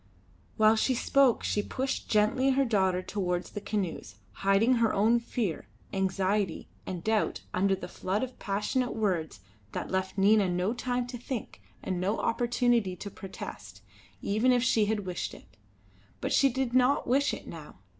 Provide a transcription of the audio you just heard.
While she spoke she pushed gently her daughter towards the canoes, hiding her own fear, anxiety, and doubt under the flood of passionate words that left Nina no time to think and no opportunity to protest, even if she had wished it. But she did not wish it now.